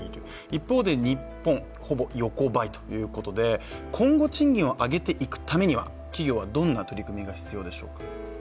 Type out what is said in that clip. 一方で日本、ほぼ横ばいということで今後、賃金を上げていくためには企業はどんな取り組みが必要でしょうか。